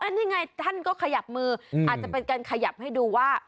นี่ไงท่านก็ขยับมืออาจจะเป็นการขยับให้ดูว่า